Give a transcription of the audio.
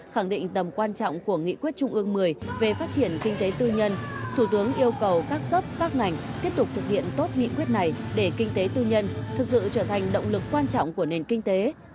khẳng định tầm quan trọng của nghị quyết trung ương một mươi về phát triển kinh tế tư nhân thủ tướng yêu cầu các cấp các ngành tiếp tục thực hiện tốt nghị quyết này để kinh tế tư nhân thực sự trở thành động lực quan trọng của nền kinh tế